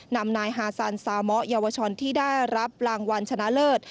นำนายฮาซันซาเมาะเยาวชนที่ได้รับรางวัลชนะเลิศ